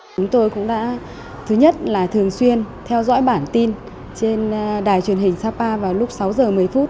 chúng tôi cũng đã thứ nhất là thường xuyên theo dõi bản tin trên đài truyền hình sapa vào lúc sáu h ba mươi